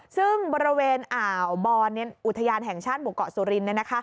ซึ่งบริเวณอ่าวบอนอุทยานแห่งชาติหมู่เกาะสุรินทร์